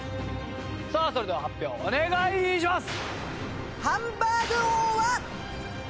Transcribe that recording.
さあそれでは発表お願いします！